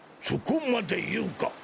そこまで言うか！